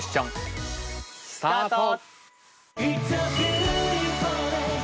スタート。